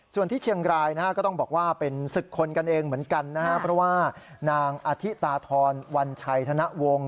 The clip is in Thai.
ส่วนที่เชียงรายนะฮะก็ต้องบอกว่าเป็นศึกคนกันเองเหมือนกันนะครับเพราะว่านางอธิตาธรวัญชัยธนวงศ